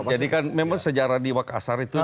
jadi kan memang sejarah di wakassar itu